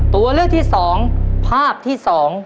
ตัวเลือกที่๒ภาพที่๒